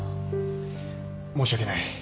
申し訳ない。